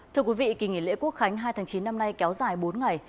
thưa quý vị kỳ nghỉ lễ quốc khánh hai tháng chín năm nay kéo dài bốn ngày